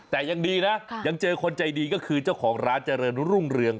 แต่ยังดีนะยังเจอคนใจดีก็คือเจ้าของร้านเจริญรุ่งเรือง